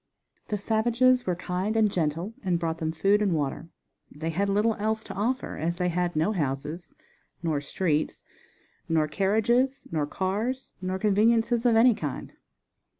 The savages were kind and gentle and brought them food and water. They had little else to offer as they had no houses, nor streets, nor carriages, nor cars, nor conveniences of any kind.